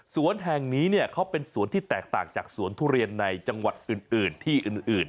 แห่งนี้เขาเป็นสวนที่แตกต่างจากสวนทุเรียนในจังหวัดอื่นที่อื่น